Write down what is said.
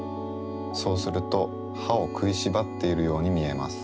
そうするとはをくいしばっているようにみえます。